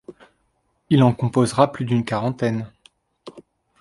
Il en composera plus d'une quarantaine.